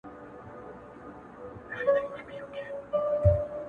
لا تور دلته غالب دی سپین میدان ګټلی نه دی،